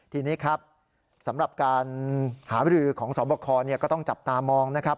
ทีนี้ครับสำหรับการหาบรือของสวบคก็ต้องจับตามองนะครับ